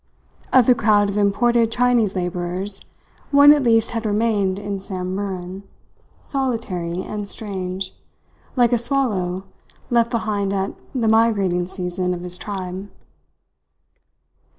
Of the crowd of imported Chinese labourers, one at least had remained in Samburan, solitary and strange, like a swallow left behind at the migrating season of his tribe.